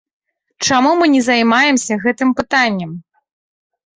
Чаму мы не займаемся гэтым пытаннем?